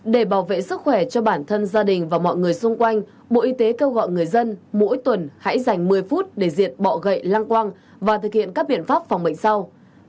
để bảo vệ sức khỏe cho bản thân gia đình và mọi người xung quanh bộ y tế kêu gọi người dân mỗi tuần hãy dành một mươi phút để diệt bọ gậy lăng quang và thực hiện các biện pháp phòng bệnh sau